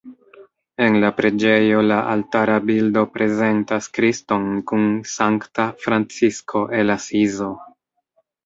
En la preĝejo la altara bildo prezentas Kriston kun Sankta Francisko el Asizo.